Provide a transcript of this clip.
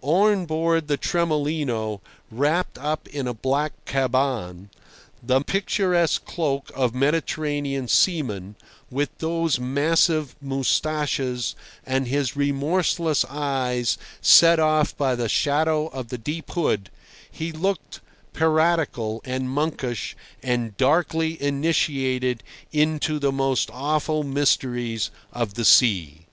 On board the Tremolino, wrapped up in a black caban, the picturesque cloak of Mediterranean seamen, with those massive moustaches and his remorseless eyes set off by the shadow of the deep hood, he looked piratical and monkish and darkly initiated into the most awful mysteries of the sea.